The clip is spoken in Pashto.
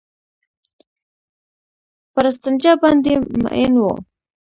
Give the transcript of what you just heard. پر استنجا باندې مئين وو.